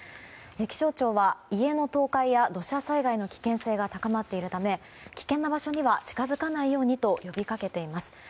気象庁は家の倒壊や土砂災害の危険性が高まっているため危険な場所には近づかないようにと呼び掛けています。